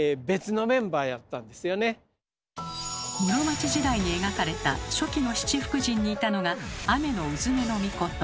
室町時代に描かれた初期の七福神にいたのが天鈿女命。